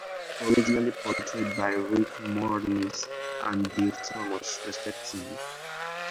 Originally portrayed by Rick Moranis and Dave Thomas, respectively.